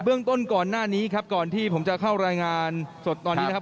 เรื่องต้นก่อนหน้านี้ครับก่อนที่ผมจะเข้ารายงานสดตอนนี้นะครับ